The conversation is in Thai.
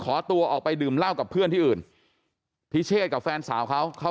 ขอตัวออกไปดื่มเหล้ากับเพื่อนที่อื่นพิเชษกับแฟนสาวเขาเขา